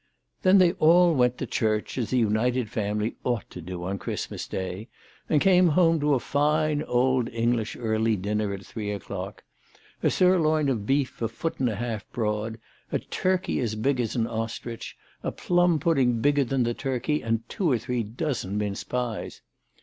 Then they all went to church, as a united family ought to do on Christmas Day, and came home to a fine old English early dinner at three o'clock, a sirloin of beef a foot and a half broad, a turkey as big as an ostrich, a plum pudding bigger than the turkey, and two or three dozen mince pies.